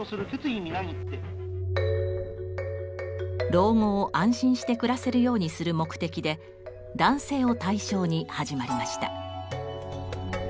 老後を安心して暮らせるようにする目的で男性を対象に始まりました。